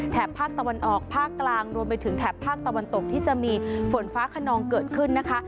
ภาคตะวันออกภาคกลางรวมไปถึงแถบภาคตะวันตกที่จะมีฝนฟ้าขนองเกิดขึ้นนะคะ